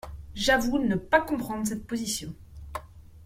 J’avoue ne pas comprendre cette position.